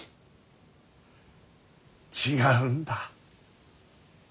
違うんだ。